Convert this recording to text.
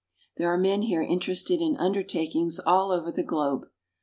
There are men here interested in under takings all over the globe.